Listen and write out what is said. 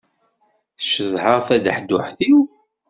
Cedhaɣ tadaḥduḥt-iw.